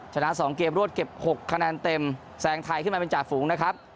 ชนะ๒เกมรวดเก็บ๖คะแนนเต็มแซงไทยขึ้นมาเป็นจ่าฝูงนะครับ